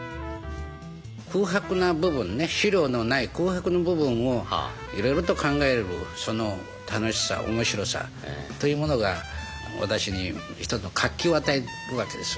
空白な部分ね資料のない空白の部分をいろいろと考えるその楽しさ面白さというものが私に一つの活気を与えるわけです。